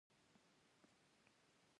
لر او بر يو افغان.